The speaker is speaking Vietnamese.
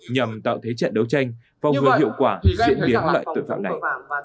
nhằm tạo thế trận đấu tranh phong hướng hiệu quả diễn biến loại tội phạm này